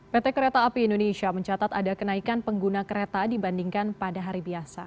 pt kereta api indonesia mencatat ada kenaikan pengguna kereta dibandingkan pada hari biasa